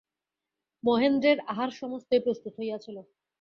মহেন্দ্রের আহার সমস্তই প্রস্তুত হইয়াছিল।